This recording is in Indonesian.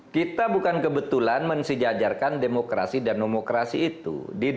kita bukan kebetulan mensejajarkan demokrasi dan nomokrasi itu